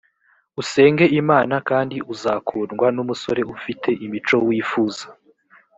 usenge imana kandi uzakundwa n’umusore ufite imico wifuza